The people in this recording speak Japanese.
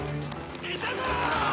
・いたぞ。